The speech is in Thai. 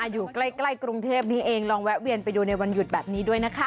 อยู่ใกล้กรุงเทพนี้เองลองแวะเวียนไปดูในวันหยุดแบบนี้ด้วยนะคะ